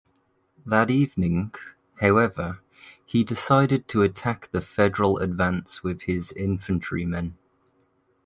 That evening, however, he decided to attack the Federal advance with his infantrymen.